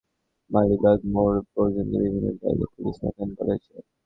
মিছিল চলাকালে নয়াপল্টন থেকে মালিবাগ মোড় পর্যন্ত বিভিন্ন জায়গায় পুলিশ মোতায়েন করা হয়েছে।